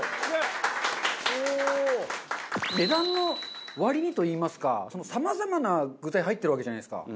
「値段の割に」といいますかさまざまな具材入ってるわけじゃないですか。